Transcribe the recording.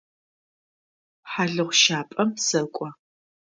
Хьалыгъущапӏэм сэкӏо.